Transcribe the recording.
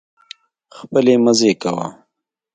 خپلې مزې کوه